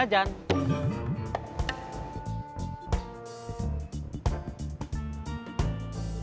selamat siang semua